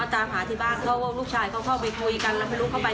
มาตามหาที่บ้านเขาว่าลูกชายเขาเข้าไปคุยกัน